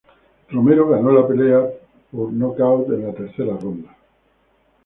Romero ganó la pelea por nocaut en la tercera ronda.